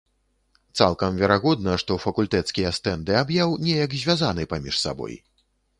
Цалкам верагодна, што факультэцкія стэнды аб'яў неяк звязаны паміж сабой.